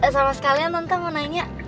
sama sekalian nonton mau nanya